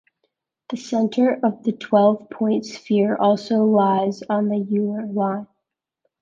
The center of the twelve-point sphere also lies on the Euler line.